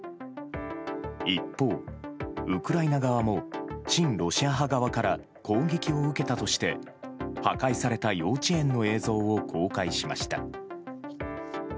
一方、ウクライナ側も親ロシア派側から攻撃を受けたとして破壊された幼稚園の映像を公開しました。